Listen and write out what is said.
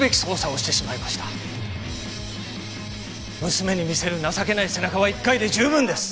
娘に見せる情けない背中は一回で十分です！